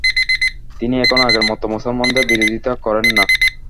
তিনি এখন আগের মত মুসলমানদের বিরোধিতা করেন না।